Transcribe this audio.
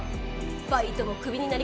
バイトもクビになりかけてる。